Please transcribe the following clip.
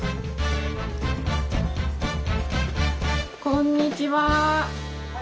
こんにちは。